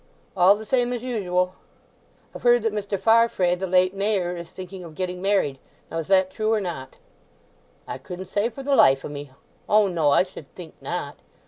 "All the same as usual." "I've heard that Mr. Farfrae, the late mayor, is thinking of getting married. Now is that true or not?" "I couldn't say for the life o' me. O no, I should think not."